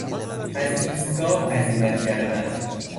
از ایستگاه عزیمت کردن